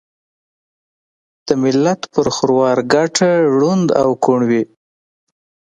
دملت پر خروار ګټه ړوند او کوڼ وي